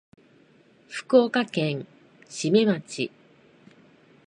福岡県志免町